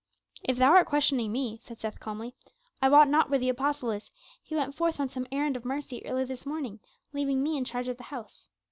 "If thou art questioning me," said Seth calmly, "I wot not where the apostle is; he went forth on some errand of mercy early this morning, leaving me in charge of the house.